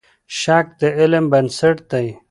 شک د علم بنسټ دی.